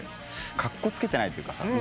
カッコつけてないっていうかさ。